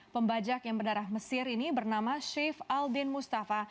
pembajak yang berdarah mesir ini bernama sheyf al din mustafa